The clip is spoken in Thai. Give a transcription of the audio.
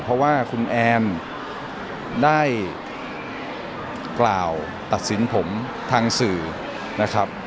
เพราะว่าคุณแอนได้กล่าวตัดสินผมทางสื่อนะครับ